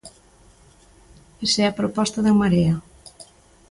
Esa é a proposta de En Marea.